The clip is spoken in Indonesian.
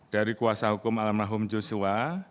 dari kuasa hukum alam rahim joshua